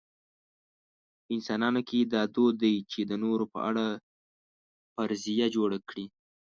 په انسانانو کې دا دود دی چې د نورو په اړه فرضیه جوړه کړي.